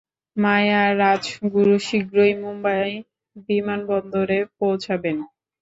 মায়া রাজগুরু শীঘ্রই মুম্বাই বিমানবন্দরে পৌঁছাবেন।